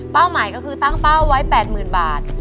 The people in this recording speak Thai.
หมายก็คือตั้งเป้าไว้๘๐๐๐บาท